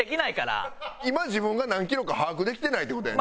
今自分が何キロか把握できてないって事やん。